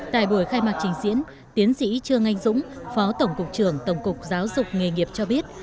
tại buổi khai mạc trình diễn tiến sĩ trương anh dũng phó tổng cục trưởng tổng cục giáo dục nghề nghiệp cho biết